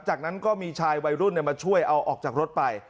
จากนั้นก็มีชายวัยรุ่นมาช่วยเอาออกจากรถไป